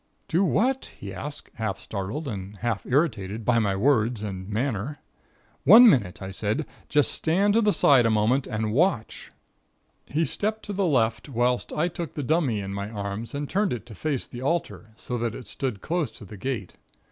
"Do what?" he asked, half startled and half irritated by my words and manner. "One minute," I said. "Just stand to the side a moment, and watch." He stepped to the left whilst I took the dummy in my arms and turned it to face the altar, so that it stood close to the gate.